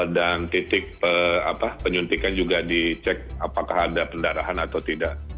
dan titik penyuntikan juga dicek apakah ada pendarahan atau tidak